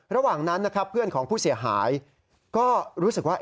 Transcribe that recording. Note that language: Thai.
ระหว่างนั้นนะครับเพื่อนของผู้เสียหายก็รู้สึกว่า